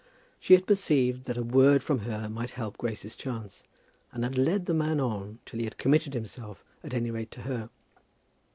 She had perceived that a word from her might help Grace's chance, and had led the man on till he had committed himself, at any rate to her.